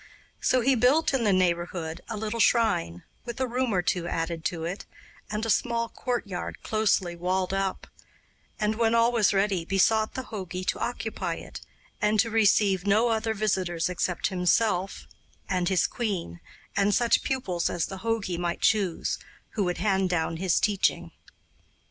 So he built in the neighbourhood a little shrine, with a room or two added to it, and a small courtyard closely walled up; and, when all was ready, besought the jogi to occupy it, and to receive no other visitors except himself and his queen and such pupils as the jogi might choose, who would hand down his teaching.